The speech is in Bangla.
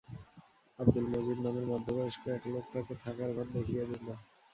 আব্দুল মজিদ নামের মধ্যবয়স্ক এক লোক তাঁকে থাকার ঘর দেখিয়েদিল।